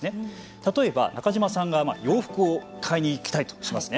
例えば中嶋さんが洋服を買いに行きたいとしますね。